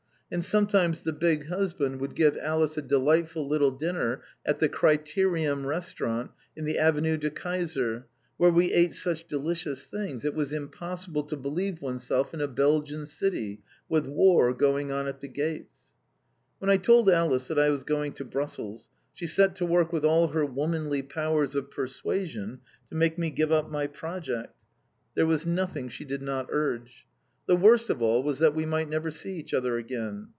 And sometimes the big husband would give Alice a delightful little dinner at the Criterium Restaurant in the Avenue de Kaiser, where we ate such delicious things, it was impossible to believe oneself in a Belgian city, with War going on at the gates. When I told Alice that I was going to Brussels, she set to work with all her womanly powers of persuasion to make me give up my project. There was nothing she did not urge. The worst of all was that we might never see each other again.